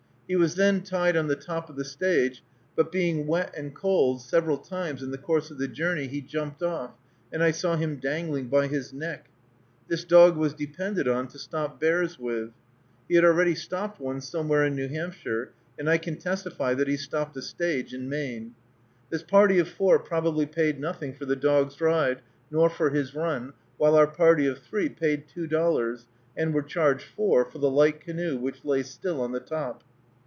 He was then tied on the top of the stage, but being wet and cold, several times in the course of the journey he jumped off, and I saw him dangling by his neck. This dog was depended on to stop bears with. He had already stopped one somewhere in New Hampshire, and I can testify that he stopped a stage in Maine. This party of four probably paid nothing for the dog's ride, nor for his run, while our party of three paid two dollars and were charged four for the light canoe which lay still on the top.